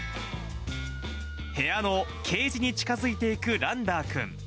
部屋のケージに近づいていくランダーくん。